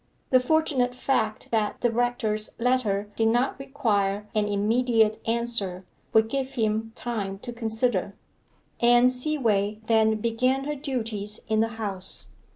The fortunate fact that the rector's letter did not require an immediate answer would give him time to consider. Anne Seaway then began her duties in the house.